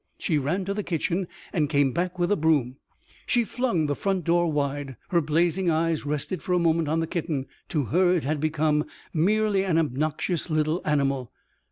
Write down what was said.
She ran to the kitchen and came back with a broom. She flung the front door wide. Her blazing eyes rested for a moment on the kitten. To her it had become merely an obnoxious little animal.